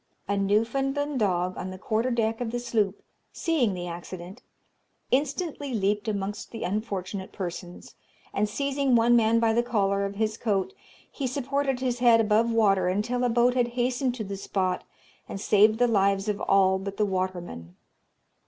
A Newfoundland dog, on the quarter deck of the sloop, seeing the accident, instantly leaped amongst the unfortunate persons, and seizing one man by the collar of his coat, he supported his head above water until a boat had hastened to the spot and saved the lives of all but the waterman.